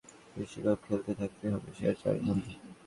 লাতিন অঞ্চল থেকে সরাসরি বিশ্বকাপ খেলতে থাকতে হবে সেরা চারের মধ্যে।